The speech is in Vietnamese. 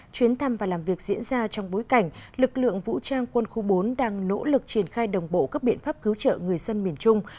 chuyến thăm và làm việc diễn ra trong bối cảnh lực lượng vũ trang quân khu bốn đang nỗ lực triển khai đồng bộ các biện pháp cứu trợ người dân miền trung